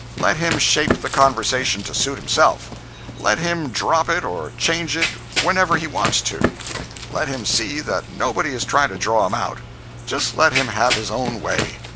Let him shape the conversation to suit himself—let him drop it or change it whenever he wants to. Let him see that nobody is trying to draw him out. Just let him have his own way.